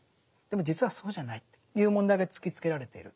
でも実はそうじゃないっていう問題が突きつけられている。